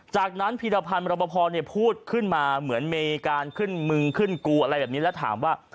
จากนั้นพีรพันธ์รบพอพูดขึ้นมาเหมือนมีการขึ้นมึงขึ้นกูอะไรแบบนี้แล้วถามว่า